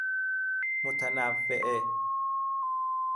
متنوعه